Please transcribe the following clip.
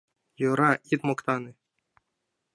— Йӧра, ит моктане!